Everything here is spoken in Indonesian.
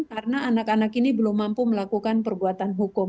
karena anak anak ini belum mampu melakukan perbuatan hukum